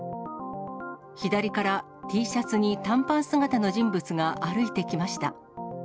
左からＴシャツに短パン姿の人物が歩いてきました。